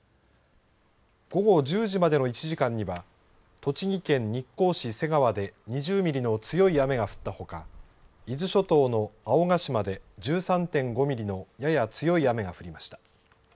午後１０時までの１時間には栃木県日光市瀬川で２０ミリの強い雨が降ったほか伊豆諸島の青ヶ島で１３．５ミリのやや強い雨が降りました。